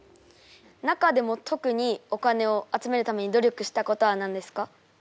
中でも特にお金を集めるために努力したことは何ですか？